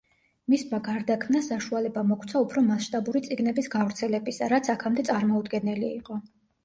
მისმა გარდაქმნა საშუალება მოგვცა უფრო მასშტაბური წიგნების გავრცელებისა, რაც აქამდე წარმოუდგენელი იყო.